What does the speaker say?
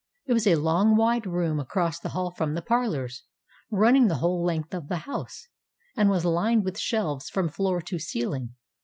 It was a long, wide room across the hall from the parlors, running the whole length of the house, and was lined with shelves from floor to ceiling.